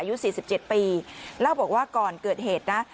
อายุสิบเจ็บปีแล้วบอกว่าก่อนเกิดเหตุนะ